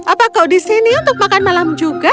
apa kok di sini untuk makan malam juga